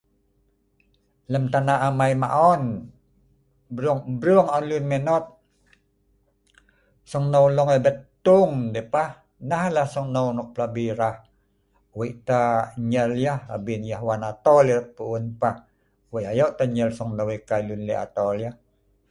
lem tanah amai maon brung brung on lun meinot sunghneu long ebet tung deh pah. nah lah sunghneu nok plabi rah weik tah nyel yeh abin yeh wan atol erat pu'un pah, weik ayok teh nyel sunghneu yeh kai arai lek atol yeh